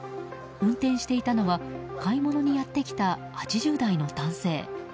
運転していたのは買い物にやってきた８０代の男性。